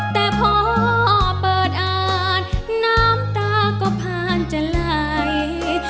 แต่พอเปิดอ่านน้ำตาก็ผ่านจะไหล